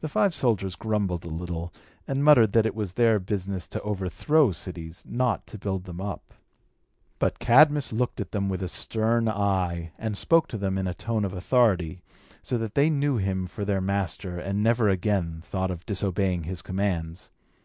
The five soldiers grumbled a little, and muttered that it was their business to overthrow cities, not to build them up. But Cadmus looked at them with a stern eye, and spoke to them in, a tone of authority, so that they knew him for their master, and never again thought of disobeying his commands.